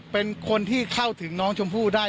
เป็นคนที่เข้าถึงน้องชมพู่ได้